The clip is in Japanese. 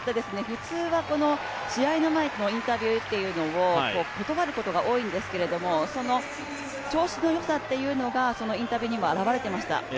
普通は試合の前のインタビューというのを断ることが多いんですけど調子のよさというのがインタビューにも表れてました。